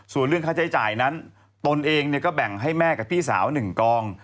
ส่วนเรื่องค่าใช้จ่ายนั้นตนเองก็แบ่งให้แม่กับพี่สาว๑กอง